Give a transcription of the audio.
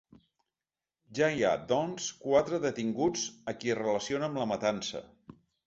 Ja hi ha, doncs, quatre detinguts a qui es relaciona amb la matança.